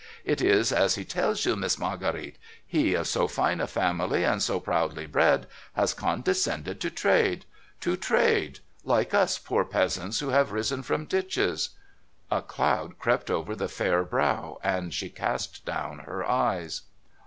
It is as he tells you, Miss Marguerite. He, of so fine a family, and so proudly bred, has condescended to trade. To trade ! Like us poor peasants who have risen from ditches !' A cloud crept over the fair brow, and she cast down her eyes.